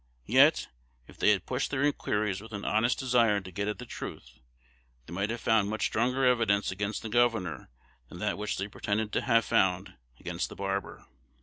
Yet, if they had pushed their inquiries with an honest desire to get at the truth, they might have found much stronger evidence against the governor than that which they pretend to have found against the barber.